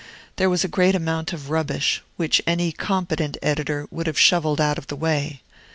There was a great amount of rubbish, which any competent editor would have shovelled out of the way.